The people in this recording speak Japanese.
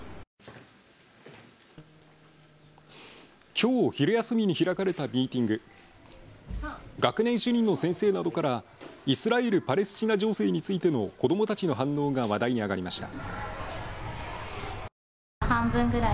きょう昼休みに開かれたミーティング、学年主任の先生などからイスラエル・パレスチナ情勢についての子どもたちの反応が話題に上がりました。